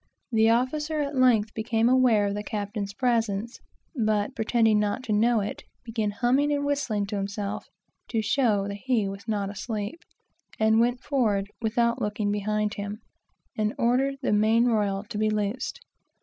The officer at length became aware of the captain's presence, but pretending not to know it, began humming and whistling to himself, to show that he was not asleep, and went forward, without looking behind him, and ordered the main royal to be loosed.